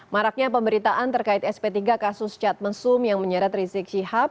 maraknya pemberitaan terkait sp tiga kasus cat mesum yang menyeret rizik syihab